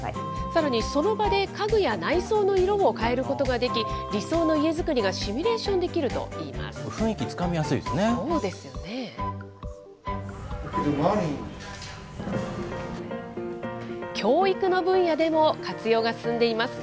さらにその場で家具や内装の色を変えることができ、理想の家づくりがシミュレーションできるとしています。